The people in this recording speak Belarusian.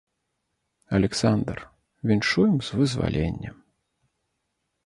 Аляксандр, віншуем з вызваленнем.